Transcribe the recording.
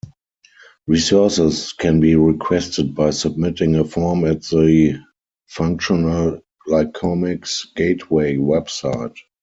Resources can be requested by submitting a form at the Functional Glycomics Gateway website.